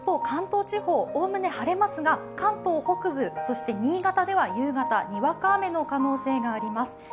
関東地方おおむね、晴れますが、関東北部そして新潟では夕方にわか雨の可能性があります。